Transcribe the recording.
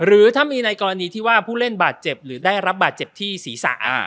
หรือถ้ามีในกรณีที่ว่าผู้เล่นบาดเจ็บหรือได้รับบาดเจ็บที่ศีรษะ